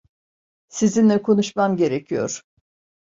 Sizinle konuşmam gerekiyor.